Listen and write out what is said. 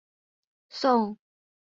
宋高宗诏张俊援楚州。